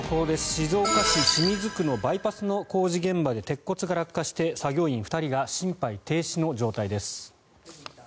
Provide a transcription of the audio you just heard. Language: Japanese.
静岡市清水区のバイパスの工事現場で鉄骨が落下して作業員２人が心肺停止の状態です。